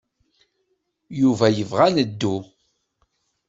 Yuba yebɣa ad neddu.